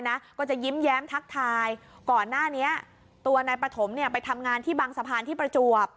นายปฐมไปทำงานที่บังสะพานที่ประจวบ